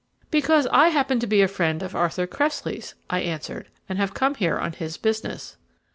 "Because I happen to be a friend of Arthur Cressley's," I answered, "and have come here on his business."